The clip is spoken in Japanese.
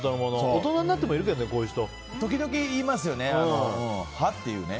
大人になってもいるけどね時々いますよね。